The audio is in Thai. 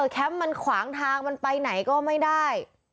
มันขวางทางมันไปไหนก็ไม่ได้